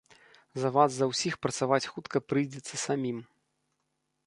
За вас за ўсіх працаваць хутка прыйдзецца самім.